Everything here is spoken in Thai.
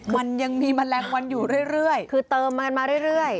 มันยังมีแมลงวันอยู่เรื่อยคือเติมกันมาเรื่อย